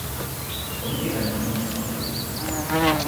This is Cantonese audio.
總之係猛咁使